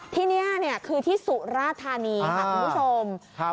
ที่นี่คือที่สุราธานีค่ะคุณผู้ชม